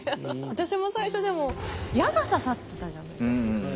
私も最初でも矢が刺さってたじゃないですか。